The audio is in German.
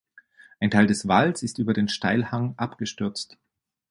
Ein Teil des Walls ist über den Steilhang abgestürzt.